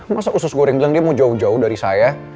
masa usus gue yang bilang dia mau jauh jauh dari saya